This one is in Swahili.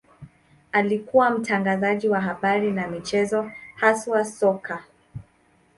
Alikuwa mtangazaji wa habari na michezo, haswa soka.